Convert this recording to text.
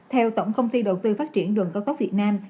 theo tổng công ty đầu tư phát triển đường cao tốc việt nam